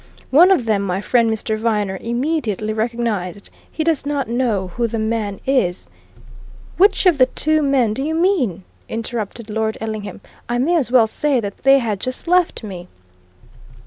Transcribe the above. One of them, my friend Mr. Viner immediately recognized. He does not know who the man is " "Which of the two men do you mean!" interrupted Lord Ellingham. "I may as well say that they had just left me."